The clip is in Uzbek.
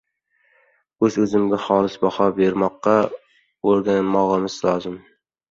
o‘z-o‘zimizga xolis baho bermoqqa o‘rganmog‘imiz lozim.